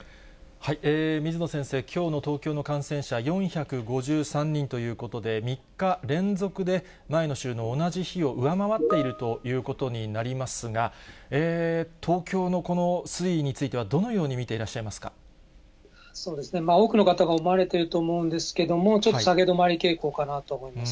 水野先生、きょうの東京の感染者４５３人ということで、３日連続で前の週の同じ日を上回っているということになりますが、東京のこの推移については、どのように見ていらっしゃいます多くの方が思われていると思うんですけれども、ちょっと下げ止まり傾向かなと思います。